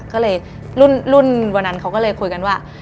ก็เลยรุ่นวันนั้นเขาก็เลยคุยกันว่า